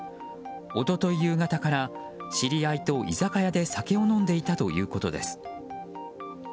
一昨日夕方から知り合いと居酒屋で酒を飲んでいたということです。